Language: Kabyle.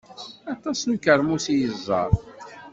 Aṭas n ukermus i yeẓẓa.